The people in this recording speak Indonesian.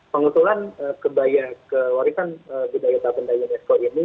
pengutulan kebaya kewarisan budaya budaya unesco ini